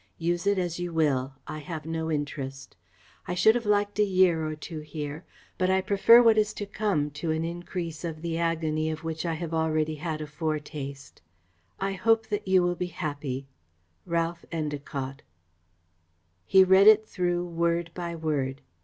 Use it as you will. I have no interest. I should have liked a year or two here, but I prefer what is to come to an increase of the agony of which I have already had a foretaste. I hope that you will be happy. RALPH ENDACOTT. He read it through word by word.